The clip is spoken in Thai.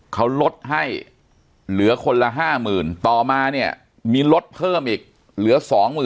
เขาลดให้เหลือคนละ๕๐๐๐ต่อมาเนี่ยมีลดเพิ่มอีกเหลือ๒๐๐๐